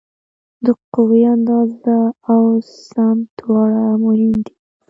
د قوې اندازه او سمت دواړه مهم دي.